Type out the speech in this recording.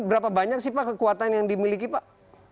berapa banyak sih pak kekuatan yang dimiliki pak